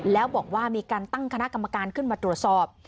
แล้วบอกว่ามีการตั้งคณะกรรมการขึ้นมาตรวจสอบ